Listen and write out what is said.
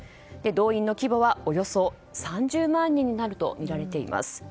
動員の規模はおよそ３０万人になるとみられています。